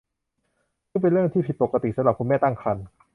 ซึ่งเป็นเรื่องที่ผิดปกติสำหรับคุณแม่ตั้งครรภ์